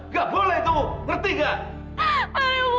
gak boleh kau ngerti gak